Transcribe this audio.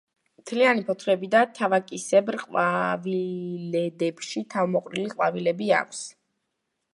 მთლიანი ფოთლები და თავაკისებრ ყვავილედებში თავმოყრილი ყვავილები აქვს.